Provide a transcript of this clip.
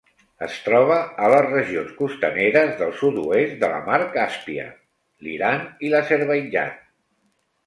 Es troba a les regions costaneres del sud-oest de la Mar Càspia: l'Iran i l'Azerbaidjan.